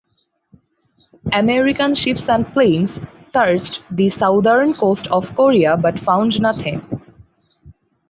American ships and planes searched the southern coast off Korea but found nothing.